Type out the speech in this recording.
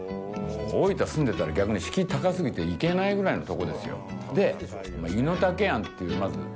大分住んでたら逆に敷居高過ぎて行けないぐらいのとこですよ。